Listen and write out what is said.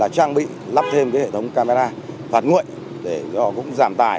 trang bị lắp thêm hệ thống camera phạt nguội để cũng giảm tài